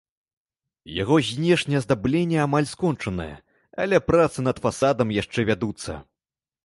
Яго знешняе аздабленне амаль скончанае, але працы над фасадам яшчэ вядуцца.